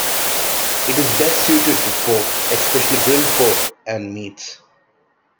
It is best suited to pork, especially grilled pork, and meats.